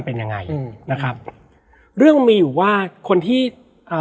และวันนี้แขกรับเชิญที่จะมาเชิญที่เรา